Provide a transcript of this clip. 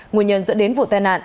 nguồn nhân dẫn đến vụ tai nạn